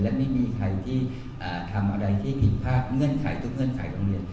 และไม่มีใครที่ทำอะไรที่ผิดพลาดเงื่อนไขทุกเงื่อนไขโรงเรียน